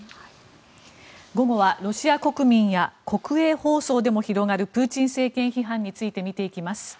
午後はロシア国民や国営放送でも広がるプーチン政権批判について見ていきます。